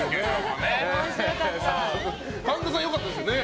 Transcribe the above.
神田さん、良かったですよね。